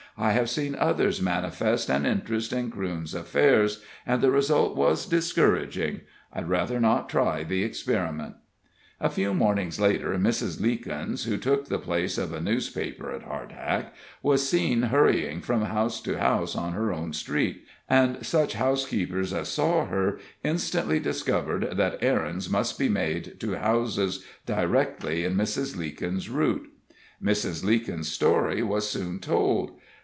"I have seen others manifest an interest in Crewne's affairs, and the result was discouraging. I'd rather not try the experiment." A few mornings later Mrs. Leekins, who took the place of a newspaper at Hardhack, was seen hurrying from house to house on her own street, and such housekeepers as saw her instantly discovered that errands must be made to houses directly in Mrs. Leekins's route. Mrs. Leekins's story was soon told.